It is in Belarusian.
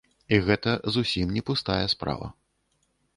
І гэта зусім не пустая справа.